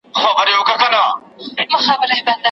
په ښکلا یې له هر چا وو میدان وړی